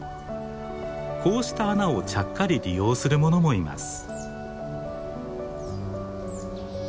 こうした穴をちゃっかり利用するものもいます。